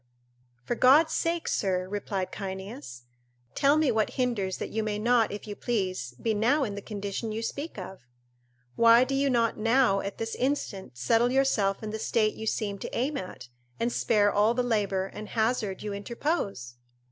"For God sake, sir," replied Cyneas, "tell me what hinders that you may not, if you please, be now in the condition you speak of? Why do you not now at this instant settle yourself in the state you seem to aim at, and spare all the labour and hazard you interpose?"